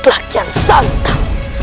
baiklah kian santan